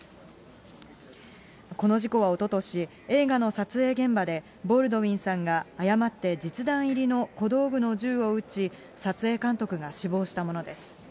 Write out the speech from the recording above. この事故はおととし、映画の撮影現場で、ボールドウィンさんが誤って実弾入りの小道具の銃を撃ち、撮影監督が死亡したものです。